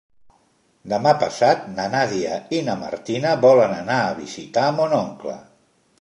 Demà passat na Nàdia i na Martina volen anar a visitar mon oncle.